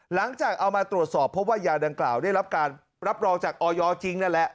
หลังจากเอามาตรวจสอบเพราะว่ายาดังกล่าวได้รับการรับรองจากออยจริงนั่นแหละ